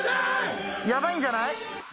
ヤバいんじゃない？